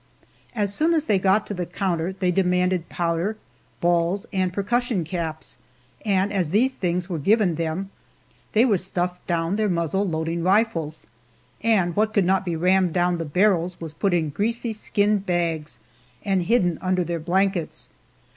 As soon as they got to the counter they demanded powder, balls, and percussion caps, and as these things were given them, they were stuffed down their muzzle loading rifles, and what could not be rammed down the barrels was put in greasy skin bags and hidden under their blankets.